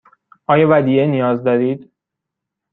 آیا ودیعه نیاز دارید؟